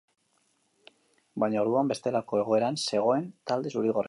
Baina orduan bestelako egoeran zegoen talde zuri-gorria.